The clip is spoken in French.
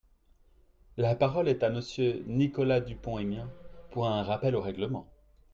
La parole est à Monsieur Nicolas Dupont-Aignan, pour un rappel au règlement.